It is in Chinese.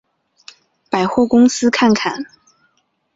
百货公司看看